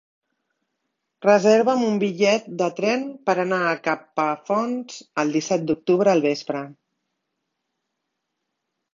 Reserva'm un bitllet de tren per anar a Capafonts el disset d'octubre al vespre.